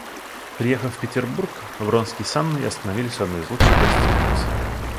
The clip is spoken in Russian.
Приехав в Петербург, Вронский с Анной остановились в одной из лучших гостиниц.